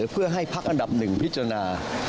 เพื่อให้พักอันดับ๑พิจารณา